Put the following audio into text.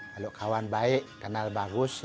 kalau kawan baik kenal bagus